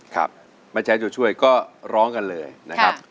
ครับไม่ใช้ตัวช่วยก็ร้องกันเลยนะครับ